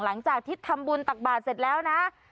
หลังจากที่ทำบุญตักบาทเสร็จแล้วนะ